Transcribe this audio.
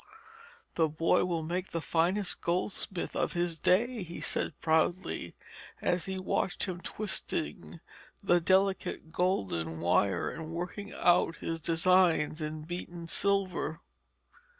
'The boy will make the finest goldsmith of his day,' he said proudly, as he watched him twisting the delicate golden wire and working out his designs in beaten silver.